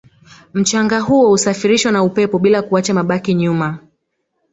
mchanga huo husafirishwa na upepo bila kuacha mabaki nyuma